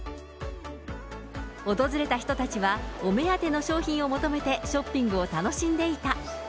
訪れた人たちは、お目当ての商品を求めてショッピングを楽しんでいた。